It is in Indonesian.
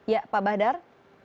ya pak bahdar